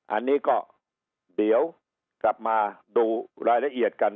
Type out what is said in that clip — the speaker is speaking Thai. อันนี้ก็เดี๋ยวกลับมาดูรายละเอียดกัน